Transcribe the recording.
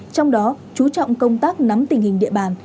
trong đó chú trọng công tác nắm tình hình địa bàn